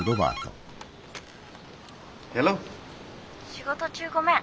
☎仕事中ごめん。